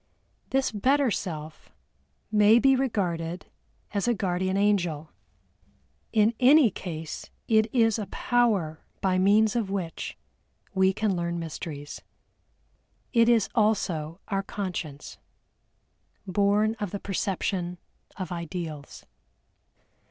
This better self may be regarded as a guardian angel, in any case it is a power by means of which we can learn mysteries. It is also our Conscience, born of the perception of Ideals.